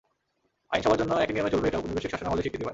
আইন সবার জন্য একই নিয়মে চলবে এটা ঔপনিবেশিক শাসনামলেই স্বীকৃতি পায়।